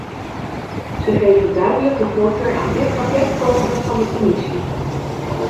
Zij geven duidelijk de voorkeur aan dit pakket boven dat van de commissie.